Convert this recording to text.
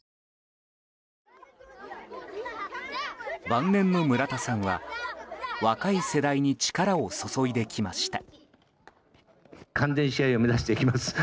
晩年の村田さんは若い世代に力を注いできました。